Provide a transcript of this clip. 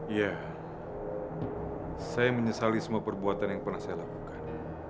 itu semua karena perbuatan yang telah kamu lakukan